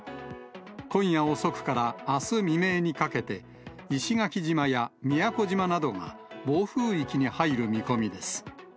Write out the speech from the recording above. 今夜遅くからあす未明にかけて、石垣島や宮古島などが暴風域に入る見込みです。